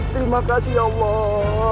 terima kasih ya allah